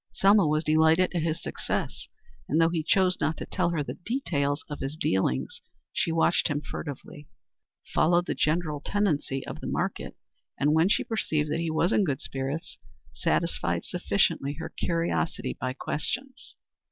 Selma was delighted at his success, and though he chose not to tell her the details of his dealings, she watched him furtively, followed the general tendency of the market, and when she perceived that he was in good spirits, satisfied sufficiently her curiosity by questions.